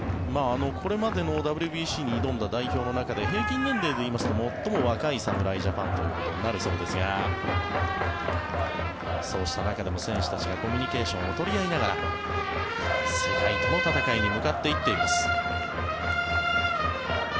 これまでのＷＢＣに挑んだ代表の中で平均年齢で言いますと最も若い侍ジャパンとなるそうですがそうした中でも選手たちがコミュニケーションを取り合いながら世界との戦いに向かっていっています。